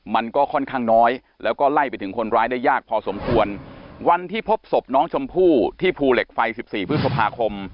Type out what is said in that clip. มันก็ค่อนข้างน้อยแล้วก็ไล่ไปถึงคนร้ายได้ยากพอสมควรวันที่พบศพน้องชมพู่ที่ภูเหล็กไฟสิบสี่พฤษภาคม